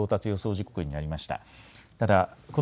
時刻になりました。